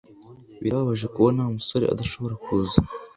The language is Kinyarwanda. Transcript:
Birababaje kubona Wa musore adashobora kuza